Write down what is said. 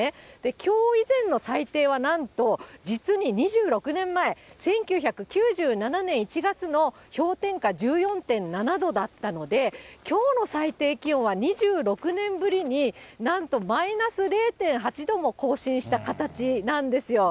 きょう以前の最低はなんと、実に２６年前、１９９７年１月の氷点下１４．７度だったので、きょうの最低気温は２６年ぶりに、なんとマイナス０．８度も更新した形なんですよ。